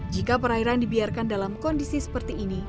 jika perairan dibiarkan dalam kondisi seperti ini